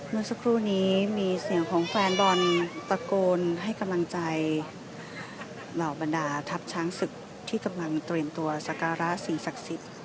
เมื่อสักครู่นี้มีเสียงของแฟนบอลตะโกนให้กำลังใจเหล่าบรรดาทัพช้างศึกที่กำลังเตรียมตัวสการะสิ่งศักดิ์สิทธิ์